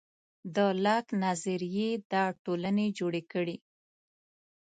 د لاک نظریې دا ټولنې جوړې کړې.